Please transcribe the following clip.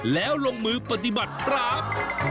แล้วลงมือปฏิบัติครับ